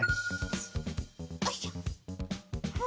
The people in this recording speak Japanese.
よいしょふ。